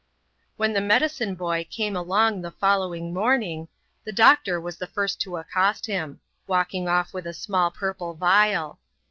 When the medicine boy came along the following morning, the doctor was the first to accost him, walking off with a small purple vial.